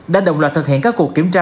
đã đồng loạt thực hiện các cuộc kiểm tra